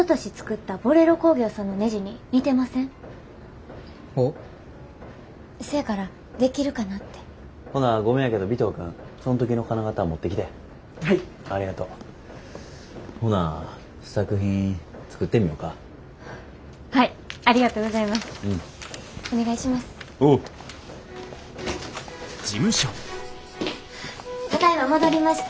ただいま戻りました。